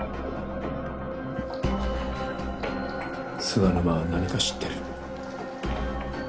菅沼は何か知ってる。